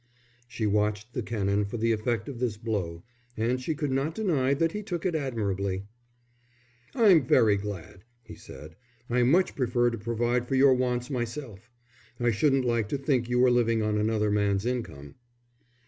She watched the Canon for the effect of this blow, and she could not deny that he took it admirably. "I'm very glad," he said. "I much prefer to provide for your wants myself. I shouldn't like to think you were living on another man's income."